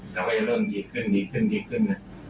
เราก็จะเริ่มดีขึ้นดีขึ้นดีขึ้น